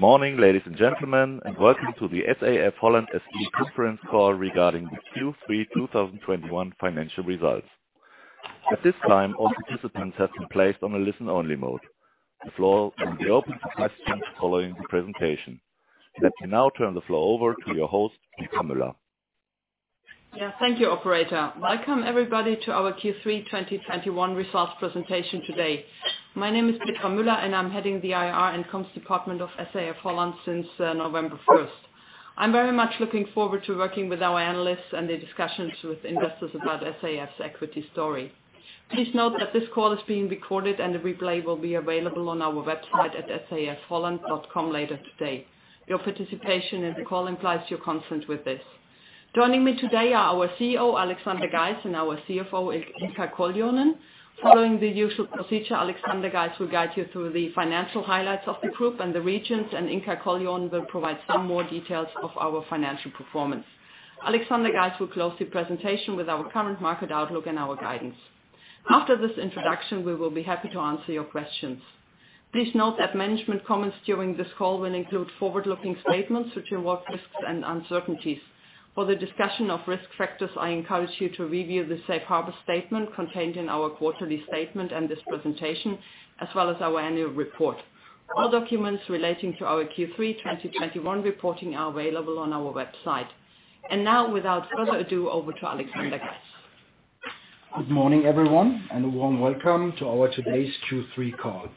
Morning, ladies and gentlemen. Welcome to the SAF-Holland SE conference call regarding the Q3 2021 financial results. At this time, all participants have been placed on a listen-only mode. The floor will be open to questions following the presentation. Let me now turn the floor over to your host, Petra Müller. Yeah. Thank you, operator. Welcome everybody to our Q3 2021 results presentation today. My name is Petra Müller, and I'm heading the IR and comms department of SAF-Holland since November 1st. I'm very much looking forward to working with our analysts and the discussions with investors about SAF's equity story. Please note that this call is being recorded, and a replay will be available on our website at saf-holland.com later today. Your participation in the call implies your consent with this. Joining me today are our CEO, Alexander Geis, and our CFO, Inka Koljonen. Following the usual procedure, Alexander Geis will guide you through the financial highlights of the group and the regions, and Inka Koljonen will provide some more details of our financial performance. Alexander Geis will close the presentation with our current market outlook and our guidance. After this introduction, we will be happy to answer your questions. Please note that management comments during this call will include forward-looking statements which involve risks and uncertainties. For the discussion of risk factors, I encourage you to review the safe harbor statement contained in our quarterly statement and this presentation, as well as our annual report. All documents relating to our Q3 2021 reporting are available on our website. Now, without further ado, over to Alexander Geis. Good morning, everyone, and a warm welcome to our today's Q3 call.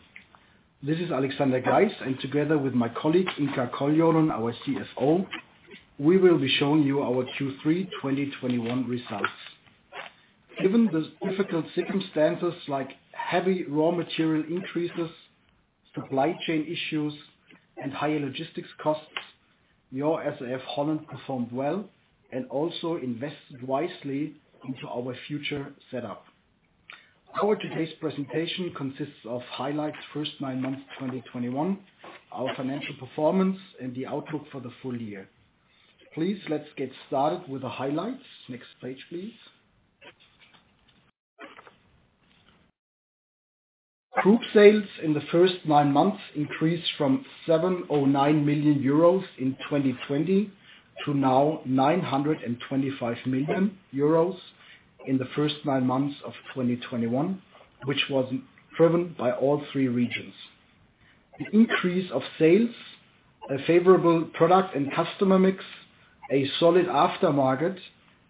This is Alexander Geis, and together with my colleague, Inka Koljonen, our CFO, we will be showing you our Q3 2021 results. Given the difficult circumstances like heavy raw material increases, supply chain issues, and higher logistics costs, your SAF-Holland performed well and also invested wisely into our future setup. Our today's presentation consists of highlights, first nine months, 2021, our financial performance, and the outlook for the full year. Please, let's get started with the highlights. Next page, please. Group sales in the first nine months increased from 709 million euros in 2020 to now 925 million euros in the first nine months of 2021, which was driven by all three regions. The increase of sales, a favorable product and customer mix, a solid aftermarket,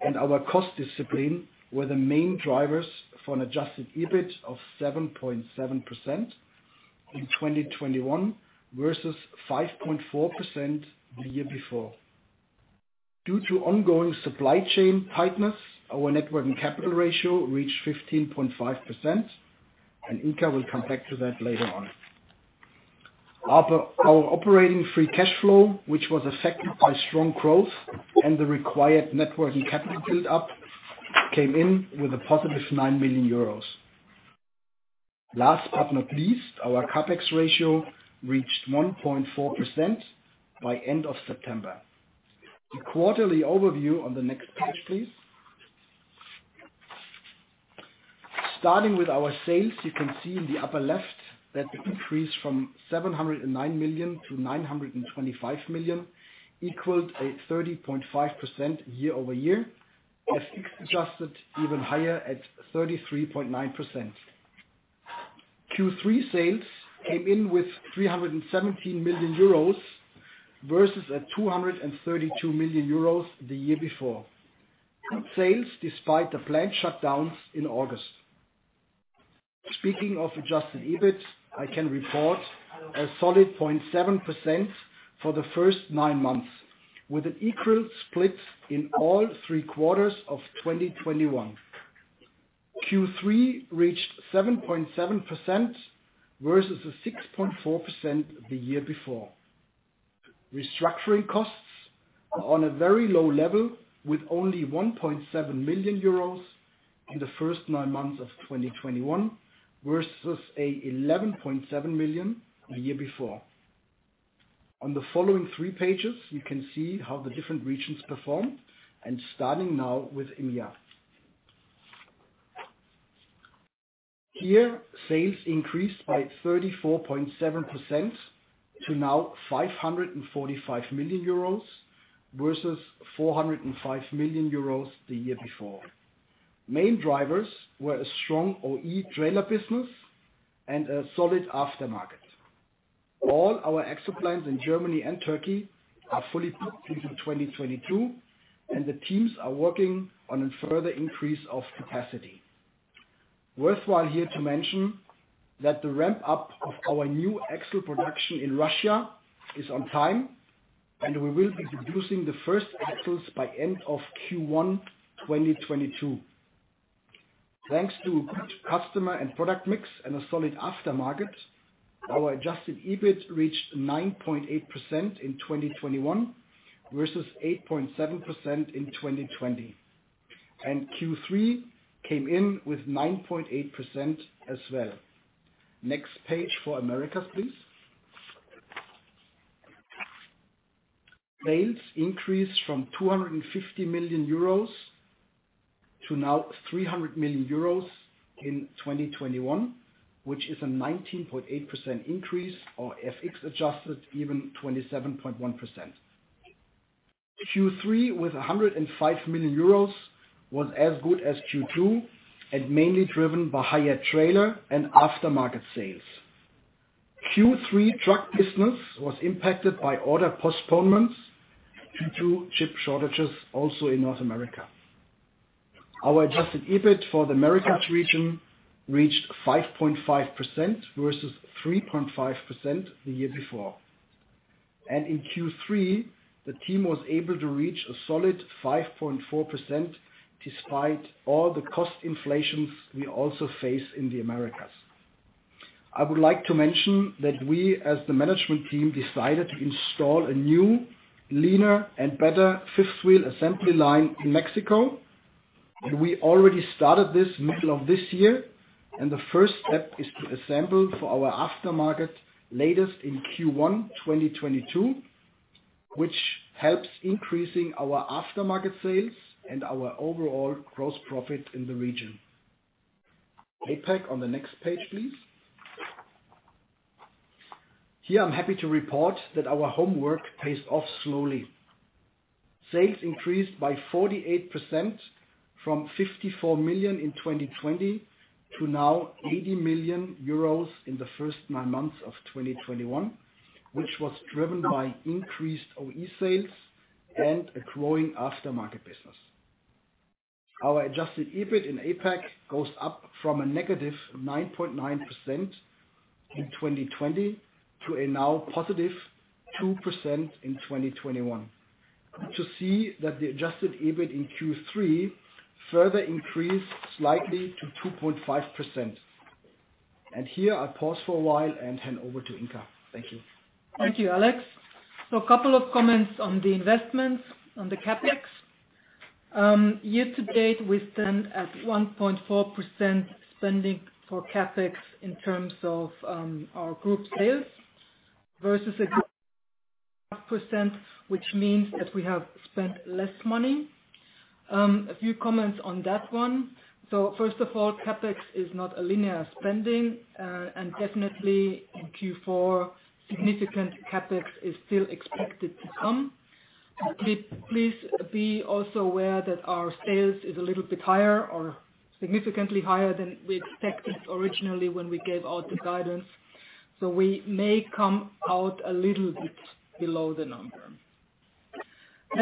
and our cost discipline were the main drivers for an adjusted EBIT of 7.7% in 2021 versus 5.4% the year before. Due to ongoing supply chain tightness, our net working capital ratio reached 15.5%, and Inka will come back to that later on. Our operating free cash flow, which was affected by strong growth and the required net working capital build-up, came in with a positive 9 million euros. Last but not least, our CapEx ratio reached 1.4% by end of September. The quarterly overview on the next page, please. Starting with our sales, you can see in the upper left that the increase from 709 million to 925 million equaled a 30.5% year-over-year. Adjust it even higher at 33.9%. Q3 sales came in with 317 million euros versus 232 million euros the year before. Good sales despite the plant shutdowns in August. Speaking of adjusted EBIT, I can report a solid 0.7% for the first nine months, with an equal split in all three quarters of 2021. Q3 reached 7.7% versus a 6.4% the year before. Restructuring costs are on a very low level with only 1.7 million euros in the first nine months of 2021 versus 11.7 million the year before. On the following three pages, you can see how the different regions performed, and starting now with EMEA. Here, sales increased by 34.7% to now 545 million euros versus 405 million euros the year before. Main drivers were a strong OE trailer business and a solid aftermarket. All our axle plants in Germany and Turkey are fully booked into 2022, and the teams are working on a further increase of capacity. Worthwhile here to mention that the ramp-up of our new axle production in Russia is on time, and we will be producing the first axles by end of Q1 2022. Thanks to good customer and product mix and a solid aftermarket, our adjusted EBIT reached 9.8% in 2021 versus 8.7% in 2020. Q3 came in with 9.8% as well. Next page for Americas, please. Sales increased from 250 million euros to now 300 million euros in 2021, which is a 19.8% increase or FX adjusted even 27.1%. Q3 with 105 million euros was as good as Q2, and mainly driven by higher trailer and aftermarket sales. Q3 truck business was impacted by order postponements due to chip shortages also in North America. Our adjusted EBIT for the Americas region reached 5.5% versus 3.5% the year before. In Q3, the team was able to reach a solid 5.4% despite all the cost inflations we also face in the Americas. I would like to mention that we, as the management team, decided to install a new, leaner and better fifth wheel assembly line in Mexico. We already started this middle of this year, and the first step is to assemble for our aftermarket latest in Q1 2022, which helps increasing our aftermarket sales and our overall gross profit in the region. APAC on the next page, please. Here, I'm happy to report that our homework pays off slowly. Sales increased by 48% from 54 million in 2020 to now 80 million euros in the first nine months of 2021, which was driven by increased OE sales and a growing aftermarket business. Our adjusted EBIT in APAC goes up from a negative 9.9% in 2020 to a now positive 2% in 2021. To see that the adjusted EBIT in Q3 further increased slightly to 2.5%. Here I pause for a while and hand over to Inka. Thank you. Thank you, Alex. A couple of comments on the investments on the CapEx. Year to date, we stand at 1.4% spending for CapEx in terms of our group sales versus 4 percent, which means that we have spent less money. A few comments on that one. First of all, CapEx is not a linear spending, and definitely in Q4, significant CapEx is still expected to come. Please be also aware that our sales is a little bit higher or significantly higher than we expected originally when we gave out the guidance. We may come out a little bit below the number.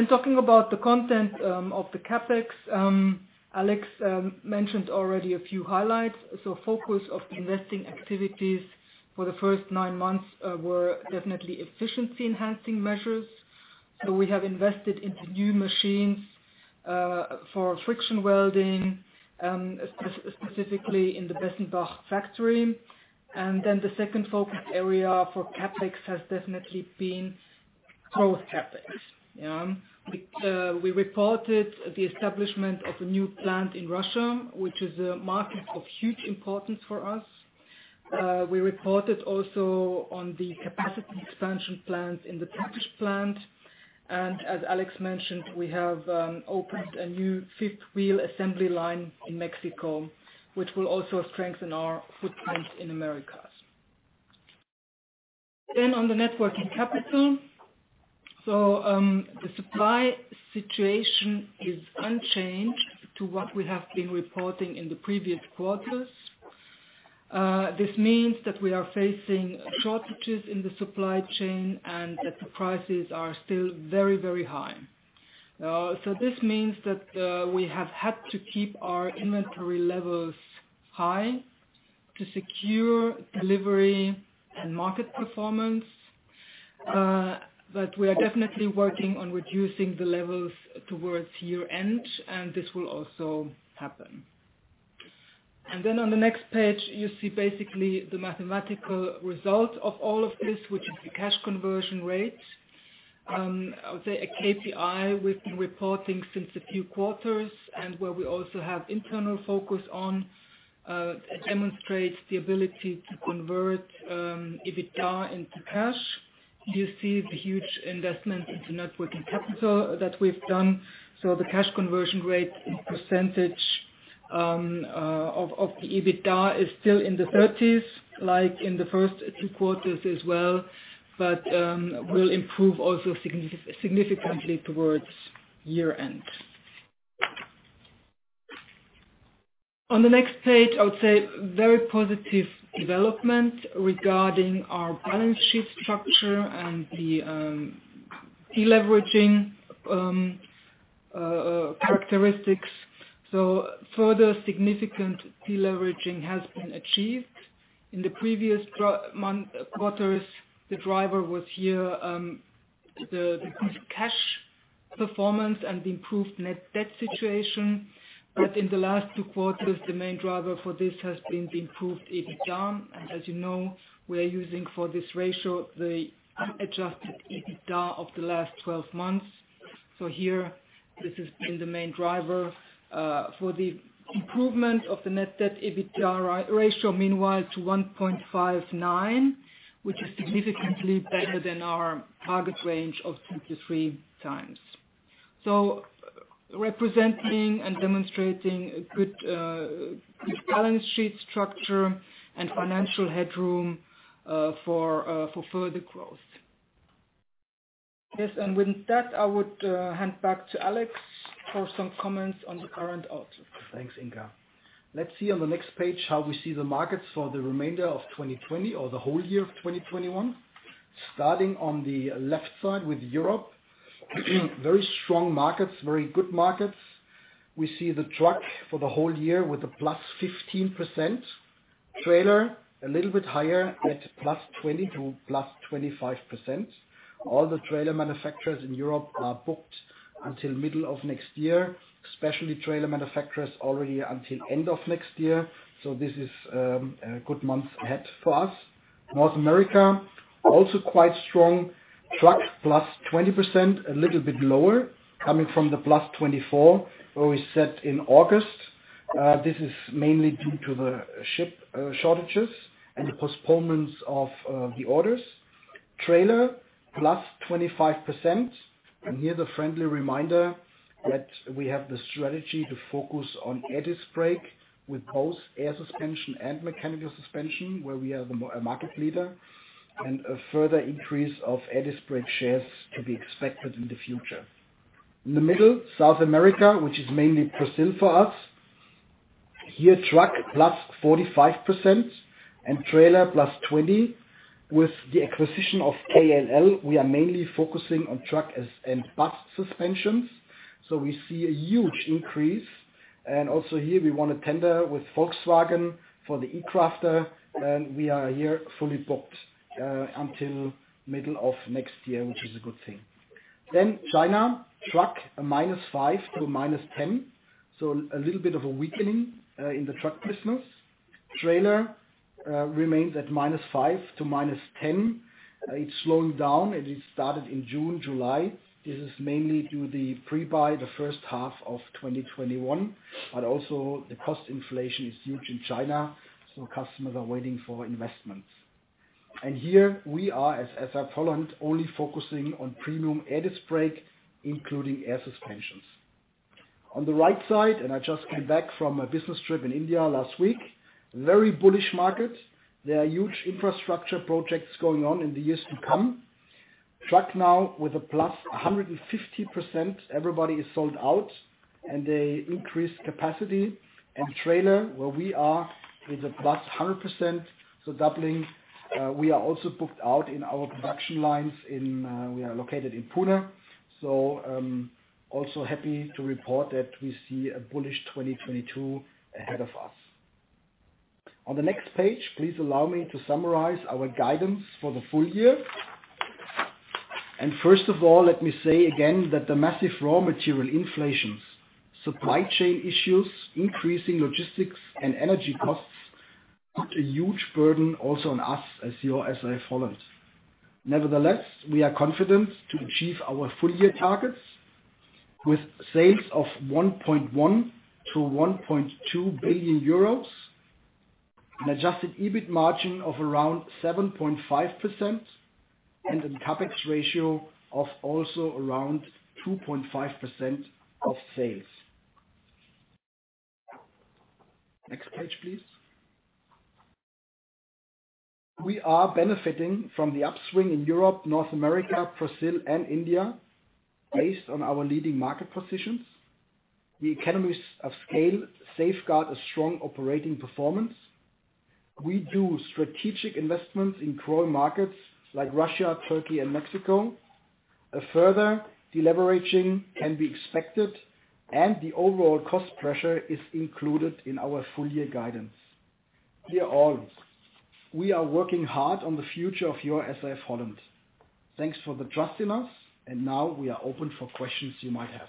Talking about the content of the CapEx, Alex mentioned already a few highlights. Focus of investing activities for the first nine months were definitely efficiency enhancing measures. We have invested into new machines for friction welding, specifically in the Bessenbach factory. The second focus area for CapEx has definitely been growth CapEx. We reported the establishment of a new plant in Russia, which is a market of huge importance for us. We reported also on the capacity expansion plans in the Turkish plant. As Alex mentioned, we have opened a new fifth wheel assembly line in Mexico, which will also strengthen our footprint in Americas. On the net working capital, the supply situation is unchanged to what we have been reporting in the previous quarters. This means that we are facing shortages in the supply chain and that the prices are still very, very high. This means that we have had to keep our inventory levels high to secure delivery and market performance, but we are definitely working on reducing the levels towards year-end, and this will also happen. Then on the next page, you see basically the mathematical result of all of this, which is the cash conversion rate. I would say a KPI we've been reporting since a few quarters and where we also have internal focus on demonstrates the ability to convert EBITDA into cash. You see the huge investment into net working capital that we've done. The cash conversion rate in percentage of the EBITDA is still in the thirties, like in the first 2 quarters as well, but will improve also significantly towards year-end. On the next page, I would say very positive development regarding our balance sheet structure and the deleveraging characteristics. Further significant deleveraging has been achieved. In the previous quarters, the driver was here the cash performance and the improved net debt situation. In the last 2 quarters, the main driver for this has been the improved EBITDA. As you know, we are using for this ratio the adjusted EBITDA of the last 12 months. Here, this has been the main driver for the improvement of the net debt EBITDA ratio meanwhile to 1.59, which is significantly better than our target range of 2-3 times. Representing and demonstrating a good balance sheet structure and financial headroom for further growth. Yes, with that, I would hand back to Alex for some comments on the current outlook. Thanks, Inka. Let's see on the next page how we see the markets for the remainder of 2020 or the whole year of 2021. Starting on the left side with Europe, very strong markets, very good markets. We see the truck for the whole year with a +15%. Trailer, a little bit higher at +20% to +25%. All the trailer manufacturers in Europe are booked until middle of next year, especially trailer manufacturers already until end of next year. This is a good many months ahead for us. North America, also quite strong. Truck, +20%, a little bit lower coming from the +24% where we stood in August. This is mainly due to the chip shortages and the postponements of the orders. Trailer, +25%. Here's a friendly reminder that we have the strategy to focus on air disc brake with both air suspension and mechanical suspension, where we are a market leader, and a further increase of air disc brake shares to be expected in the future. In the middle, South America, which is mainly Brazil for us. Here, truck +45% and trailer +20%. With the acquisition of KLL, we are mainly focusing on truck and bus suspensions. We see a huge increase. Also here, we won a tender with Volkswagen for the e-Crafter, and we are here fully booked until middle of next year, which is a good thing. China, truck, -5%-10%, so a little bit of a weakening in the truck business. Trailer remains at -5%-10%. It's slowing down, and it started in June, July. This is mainly due to the pre-buy the first half of 2021, but also the cost inflation is huge in China, so customers are waiting for investments. Here we are, as SAF-Holland, only focusing on premium air disc brake, including air suspensions. On the right side, I just came back from a business trip in India last week, very bullish market. There are huge infrastructure projects going on in the years to come. Truck now with a +150%, everybody is sold out, and they increase capacity. Trailer, where we are, is a +100%, so doubling. We are also booked out in our production lines in, we are located in Pune. Also happy to report that we see a bullish 2022 ahead of us. On the next page, please allow me to summarize our guidance for the full year. First of all, let me say again that the massive raw material inflations, supply chain issues, increasing logistics and energy costs put a huge burden also on us as your SAF-Holland. Nevertheless, we are confident to achieve our full year targets with sales of 1.1 billion-1.2 billion euros, an adjusted EBIT margin of around 7.5%, and a CapEx ratio of also around 2.5% of sales. Next page, please. We are benefiting from the upswing in Europe, North America, Brazil, and India based on our leading market positions. The economies of scale safeguard a strong operating performance. We do strategic investments in growing markets like Russia, Turkey, and Mexico. A further deleveraging can be expected, and the overall cost pressure is included in our full year guidance. Dear all, we are working hard on the future of your SAF-Holland. Thanks for the trust in us, and now we are open for questions you might have.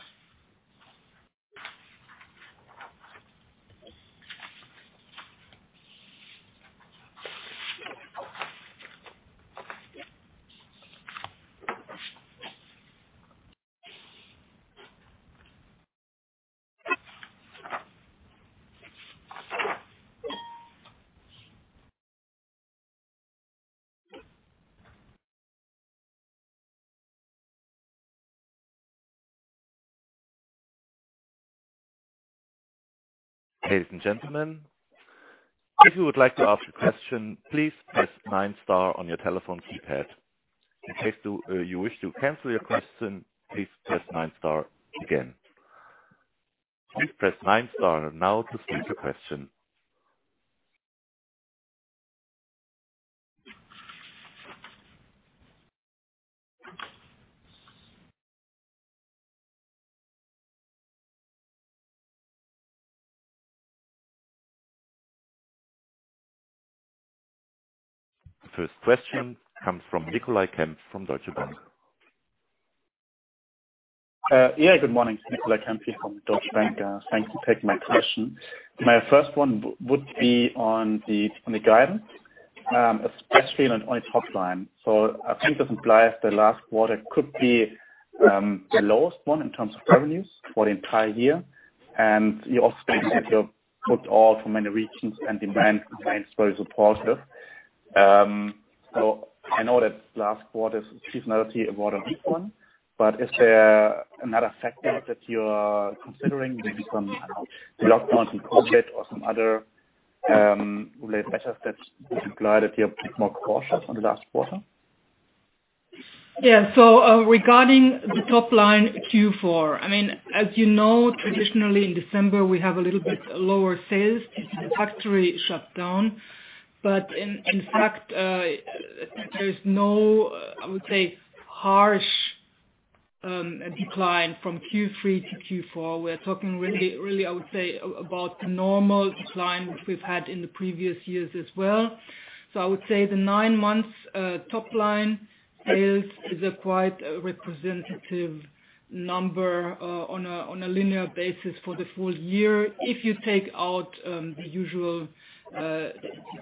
The first question comes from Nicolai Kempf from Deutsche Bank. Yeah, good morning. It's Nicolai Kempf here from Deutsche Bank. Thank you for taking my question. My first one would be on the guidance. Especially on its top line. I think this implies the last quarter could be the lowest one in terms of revenues for the entire year. You also stated you're booked all for many regions and demand remains very supportive. I know that last quarter's seasonality was about a weak one, but is there another factor that you're considering, maybe some lockdowns in COVID or some other related measures that would imply that you're a bit more cautious on the last quarter? Yeah, regarding the top line Q4, I mean, as you know, traditionally in December, we have a little bit lower sales. Factory shutdown. But in fact, there's no harsh decline from Q3 to Q4, I would say. We're talking really about the normal decline which we've had in the previous years as well, I would say. I would say the nine months top line sales is a quite representative number on a linear basis for the full year, if you take out the usual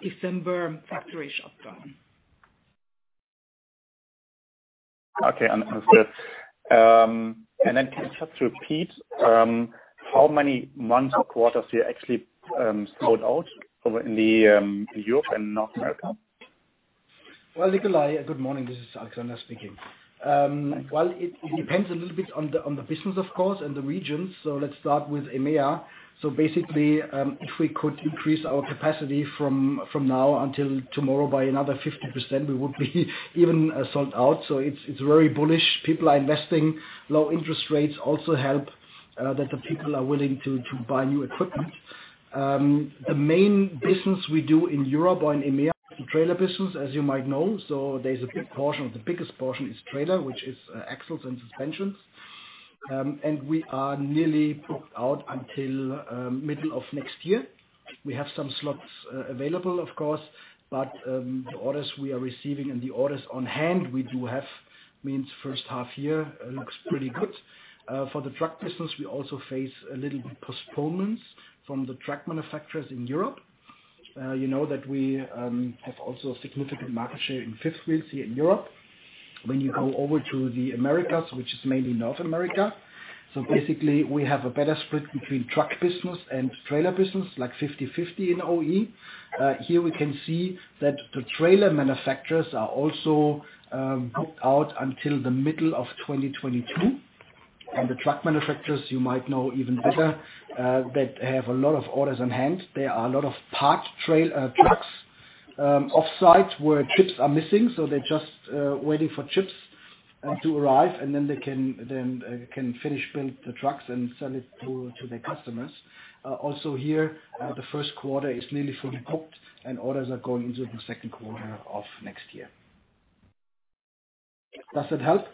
December factory shutdown. Okay, understood. Can you just repeat how many months or quarters you're actually sold out over in Europe and North America? Well, Nicolai, good morning. This is Alexander speaking. Well, it depends a little bit on the business of course and the regions. Let's start with EMEA. Basically, if we could increase our capacity from now until tomorrow by another 50%, we would be even sold out. It's very bullish. People are investing. Low interest rates also help that the people are willing to buy new equipment. The main business we do in Europe or in EMEA, trailer business, as you might know. There's a big portion. The biggest portion is trailer, which is axles and suspensions. We are nearly booked out until middle of next year. We have some slots available of course, but the orders we are receiving and the orders on hand we do have means first half year looks pretty good. For the truck business, we also face a little bit postponements from the truck manufacturers in Europe. You know that we have also a significant market share in fifth wheels here in Europe. When you go over to the Americas, which is mainly North America, so basically we have a better split between truck business and trailer business, like 50/50 in OE. Here we can see that the trailer manufacturers are also booked out until the middle of 2022. The truck manufacturers you might know even better that have a lot of orders on hand. There are a lot of parked trailers, trucks off site where chips are missing, so they're just waiting for chips to arrive, and then they can finish build the trucks and sell it to their customers. Also here, the first quarter is nearly fully booked and orders are going into the second quarter of next year. Does that help?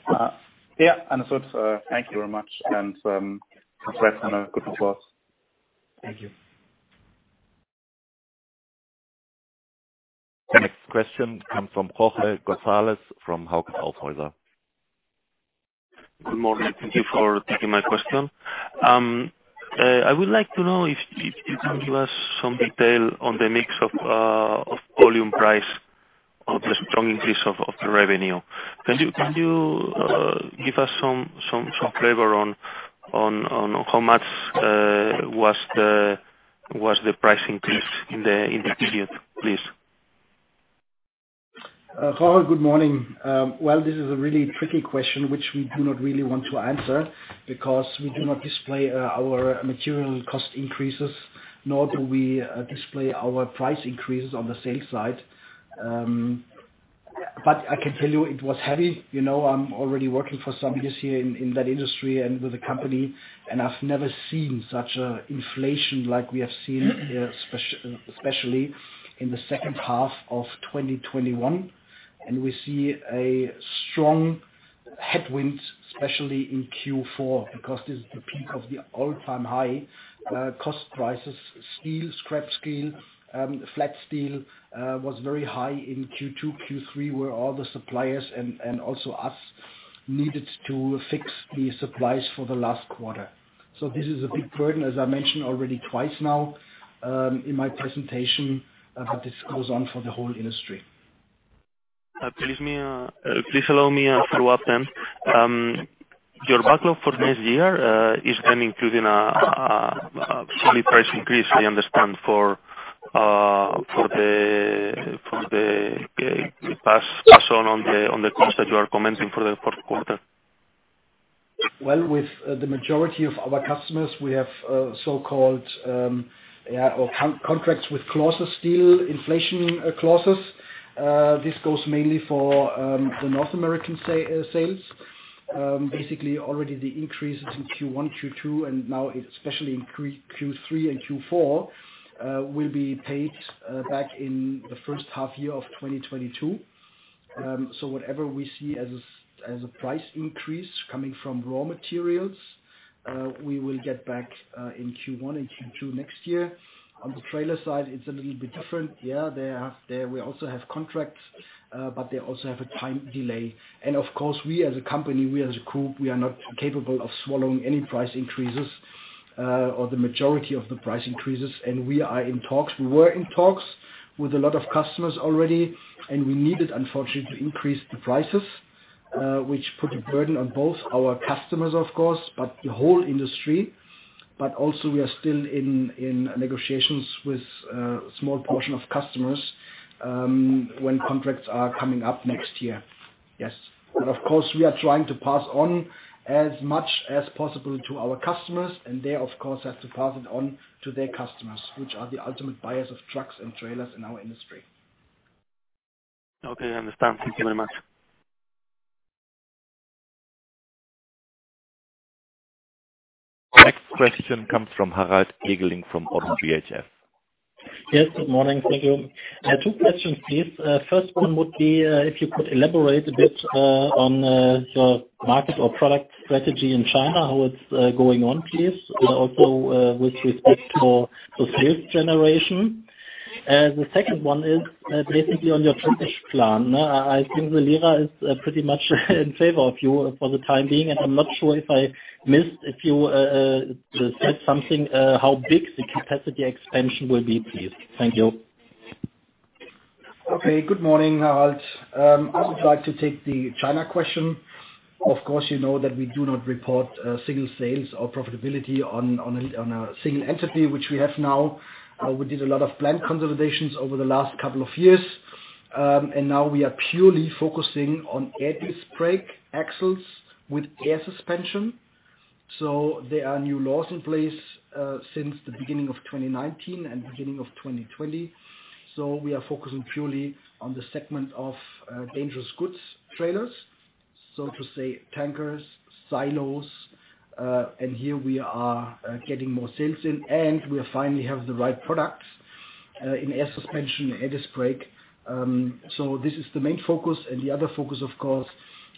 Yeah, understood. Thank you very much. Congratulations on a good performance. Thank you. The next question comes from Jorge Gonzalez from Hauck & Aufhäuser. Good morning. Thank you for taking my question. I would like to know if you can give us some detail on the mix of volume price of the strong increase of the revenue. Can you give us some flavor on how much was the price increase in the period, please? Jorge, good morning. Well, this is a really tricky question which we do not really want to answer because we do not display our material cost increases, nor do we display our price increases on the sales side. I can tell you it was heavy. You know, I'm already working for some years here in that industry and with the company, and I've never seen such an inflation like we have seen here especially in the second half of 2021. We see a strong headwind, especially in Q4, because this is the peak of the all-time high cost crisis. Steel, scrap steel, flat steel was very high in Q2, Q3, where all the suppliers and also us needed to fix the supplies for the last quarter. This is a big burden, as I mentioned already twice now in my presentation, but this goes on for the whole industry. Please allow me a follow-up. Your backlog for next year is then including a full price increase, I understand, for the pass on the costs that you are commenting for the fourth quarter. Well, with the majority of our customers, we have so-called contracts with clauses, steel inflation clauses. This goes mainly for the North American sales. Basically already the increase since Q1, Q2, and now especially in Q3 and Q4 will be paid back in the first half year of 2022. So whatever we see as a price increase coming from raw materials we will get back in Q1 and Q2 next year. On the trailer side it's a little bit different. There we also have contracts, but they also have a time delay. Of course, we as a company, we as a group, we are not capable of swallowing any price increases. The majority of the price increases, and we are in talks. We were in talks with a lot of customers already, and we needed, unfortunately, to increase the prices, which put a burden on both our customers, of course, but the whole industry. We are still in negotiations with a small portion of customers when contracts are coming up next year. Yes. Of course, we are trying to pass on as much as possible to our customers, and they, of course, have to pass it on to their customers, which are the ultimate buyers of trucks and trailers in our industry. Okay. I understand. Thank you very much. Next question comes from Harald Eggeling from ODDO BHF. Yes, good morning. Thank you. I have two questions, please. First one would be if you could elaborate a bit on the market or product strategy in China, how it's going on, please. Also, with respect to the sales generation. The second one is basically on your Turkish plan. I think the lira is pretty much in favor of you for the time being, and I'm not sure if I missed if you said something, how big the capacity expansion will be, please. Thank you. Okay. Good morning, Harald. I would like to take the China question. Of course, you know that we do not report single sales or profitability on a single entity, which we have now. We did a lot of plant consolidations over the last couple of years, and now we are purely focusing on air disc brake axles with air suspension. There are new laws in place since the beginning of 2019 and beginning of 2020. We are focusing purely on the segment of dangerous goods trailers, so to say, tankers, silos, and here we are getting more sales in, and we finally have the right products in air suspension, air disc brake. This is the main focus. The other focus, of course,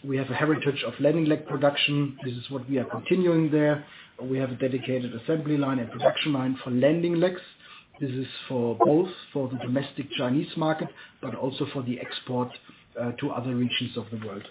we have a heritage of landing leg production. This is what we are continuing there. We have a dedicated assembly line and production line for landing legs. This is for both the domestic Chinese market, but also for the export to other regions of the world.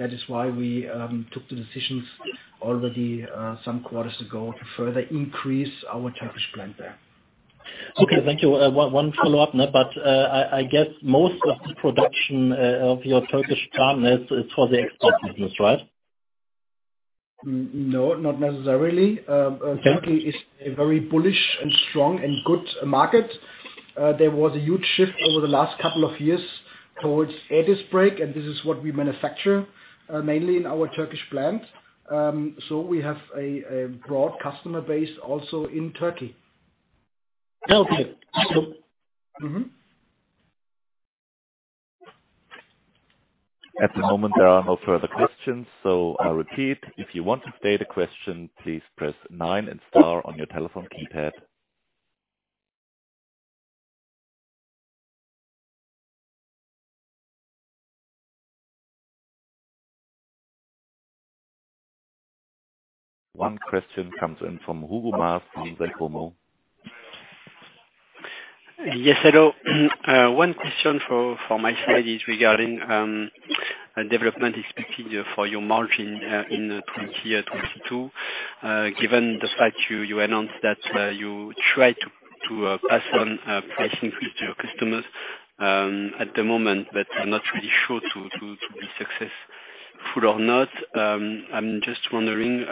Okay, thank you. At the moment, there are no further questions, so I'll repeat. If you want to state a question, please press nine and star on your telephone keypad. One question comes in from Hugo Maas from Jefferies. Yes, hello. One question for my side is regarding development expected for your margin in 2022. Given the fact you announced that you try to pass on price increase to your customers at the moment, but I'm not really sure to be successful or not. I'm just wondering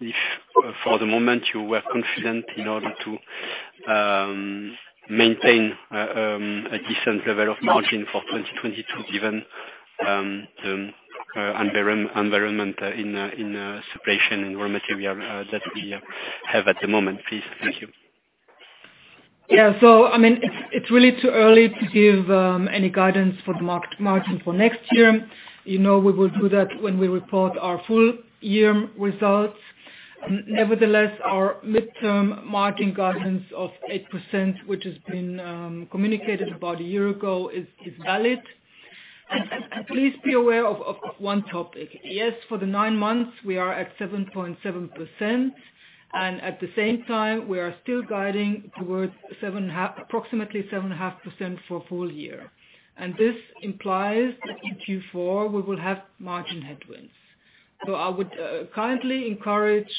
if for the moment you were confident in order to maintain a decent level of margin for 2022, given the environment in escalation in raw material that we have at the moment, please. Thank you. Yeah. I mean, it's really too early to give any guidance for the margin for next year. You know we will do that when we report our full year results. Nevertheless, our midterm margin guidance of 8%, which has been communicated about a year ago is valid. Please be aware of one topic. Yes, for the nine months we are at 7.7%, and at the same time, we are still guiding towards approximately 7.5% for full year. This implies that in Q4 we will have margin headwinds. I would kindly encourage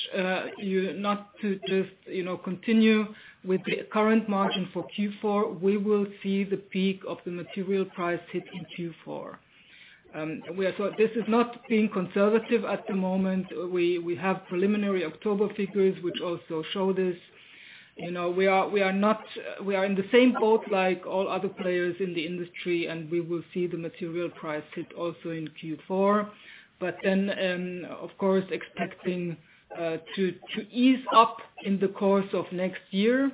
you not to just, you know, continue with the current margin for Q4. We will see the peak of the material price hit in Q4. This is not being conservative at the moment. We have preliminary October figures which also show this. You know, we are in the same boat like all other players in the industry, and we will see the material price hit also in Q4. Of course, expecting to ease up in the course of next year.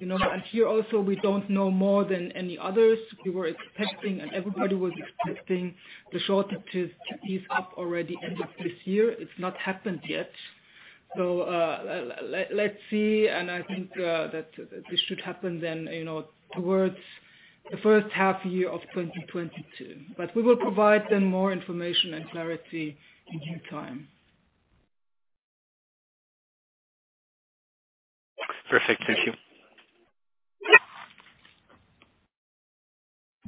You know, here also we don't know more than any others. We were expecting and everybody was expecting the shortages to ease up already end of this year. It's not happened yet. Let's see, and I think that this should happen then, you know, towards the first half year of 2022. We will provide then more information and clarity in due time. Perfect. Thank you.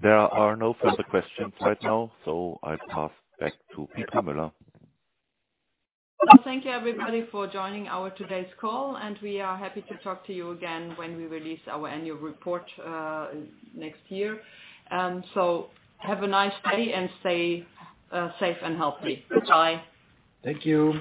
There are no further questions right now, so I'll pass back to Petra Müller. Thank you everybody for joining our today's call, and we are happy to talk to you again when we release our annual report next year. Have a nice day and stay safe and healthy. Bye. Thank you.